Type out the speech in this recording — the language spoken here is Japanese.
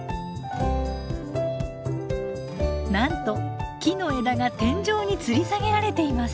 なんと木の枝が天井につり下げられています。